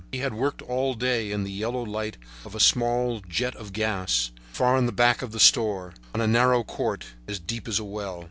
He had worked all day in the yellow light of a small jet of gas, far in the back of the store, on a narrow court, as deep as a well.